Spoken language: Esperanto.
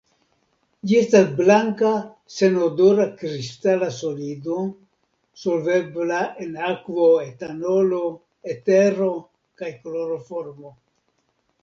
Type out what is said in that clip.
Ĝi estas blanka senodora kristala solido, solvebla en akvo, etanolo, etero kaj kloroformo.